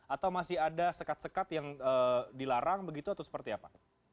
atau masih ada sekat sekat yang dilarang begitu atau seperti apa